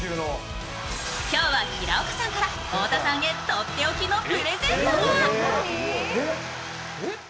今日は平岡さんから太田さんへとっておきのプレゼントが。